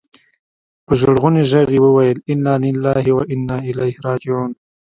په ژړغوني ږغ يې وويل انا لله و انا اليه راجعون.